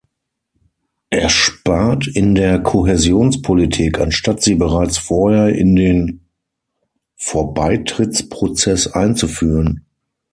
Er spart in der Kohäsionspolitik, anstatt sie bereits vorher in den Vorbeitrittsprozess einzuführen.